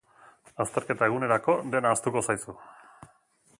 Azterketa egunerako dena ahaztuko zaizu.